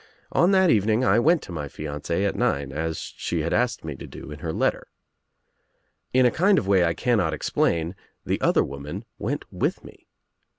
On that evening I went to my fiancee at nine, as she had asked me to do In her letter. In a kind of way I cannot explain the other woman went with me.